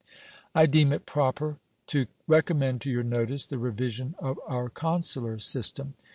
I deem it proper to recommend to your notice the revision of our consular system.